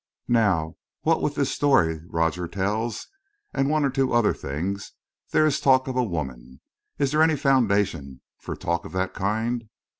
Now, what with this story Rogers tells, and one or two other things, there is talk of a woman. Is there any foundation for talk of that kind?"